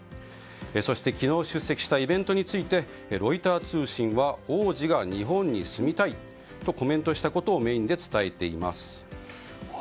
そして、昨日出席したイベントについてロイター通信は王子が日本に住みたいとコメントしたことをメインで伝えています。